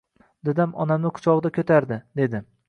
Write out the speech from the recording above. Dadam onamni quchog‘ida ko‘tardi, dedi